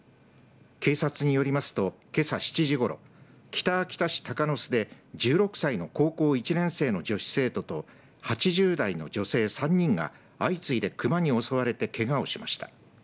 警察によりますと、けさ７時ごろ北秋田市鷹巣で１６歳の高校１年生の女子生徒と８０代の女性３人が相次いで熊に襲われてけがをしました。